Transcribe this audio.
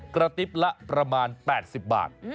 กระติ๊บละประมาณ๘๐บาท